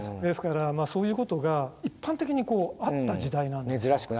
ですからそういうことが一般的にあった時代なんですよ。